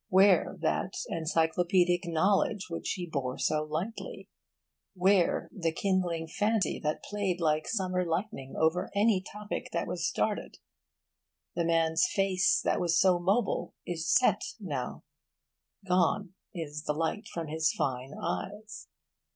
where that encyclopiedic knowledge which he bore so lightly? where the kindling fancy that played like summer lightning over any topic that was started? The man's face that was so mobile is set now; gone is the light from his fine eyes.